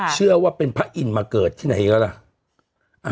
เชื่อว่าเป็นพระอินทร์มาเกิดที่ไหนก็ล่ะ